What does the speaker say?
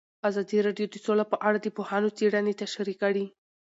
ازادي راډیو د سوله په اړه د پوهانو څېړنې تشریح کړې.